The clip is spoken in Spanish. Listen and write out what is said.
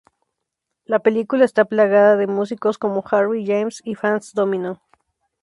La película está plagada de músicos como Harry James y Fats Domino.